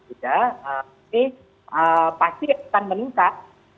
ini pasti akan meningkat